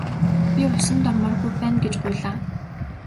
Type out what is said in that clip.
Би усанд ормооргүй байна гэж гуйлаа.